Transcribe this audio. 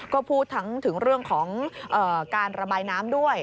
ก็พูดทั้งถึงเรื่องของการระบายน้ำด้วย